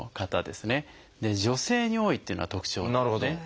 で女性に多いっていうのが特徴なんですね。